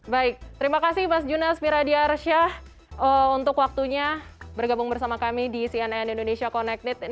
baik terima kasih mas junas miradiarsyah untuk waktunya bergabung bersama kami di cnn indonesia connected